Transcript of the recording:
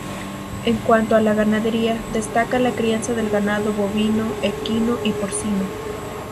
En cuanto a la ganadería, destaca la crianza de ganado bovino, equino y porcino.